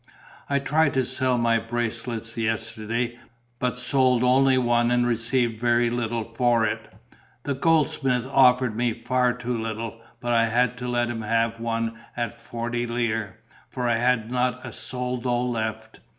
I tried to sell my bracelets yesterday, but sold only one and received very little for it. The goldsmith offered me far too little, but I had to let him have one at forty lire, for I had not a soldo left!